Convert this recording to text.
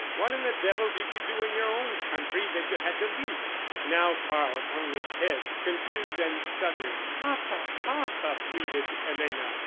What in the devil did you do in your own country that you had to leave it?" Now Karl hung his head, confused and stuttering. "Papa, papa," pleaded Elena.